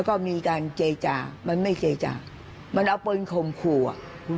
ก็มีการเจจามันไม่เจจามันเอาปลงคมคู่